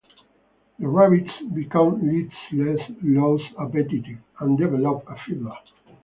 The rabbits become listless, lose appetite, and develop a fever.